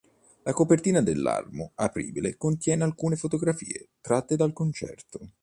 La copertina dell'album, apribile, contiene alcune fotografie tratte dal concerto.